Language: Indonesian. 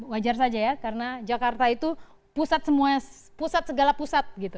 wajar saja ya karena jakarta itu pusat segala pusat gitu